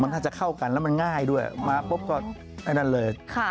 มันน่าจะเข้ากันแล้วมันง่ายด้วยมาปุ๊บก็ไอ้นั่นเลย